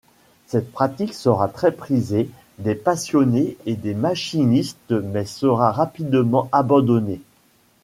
Cette pratique sera très prisée des passionnés et des machinistes mais sera rapidement abandonnée.